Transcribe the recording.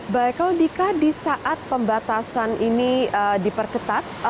baik kalau dika di saat pembatasan ini diperketat